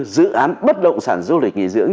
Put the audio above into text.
dự án bất động sản du lịch nghỉ dưỡng